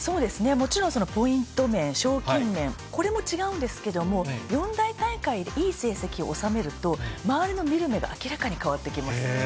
もちろんポイント面、賞金面、これも違うんですけれども、四大大会でいい成績を収めると、周りの見る目が明らかに変わってきます。